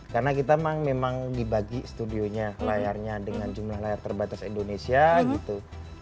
karena kita memang dibagi studionya layarnya dengan jumlah layar terbatas indonesia gitu